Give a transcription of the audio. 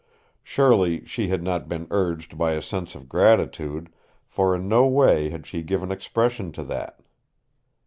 Surely she had not been urged by a sense of gratitude, for in no way had she given expression to that.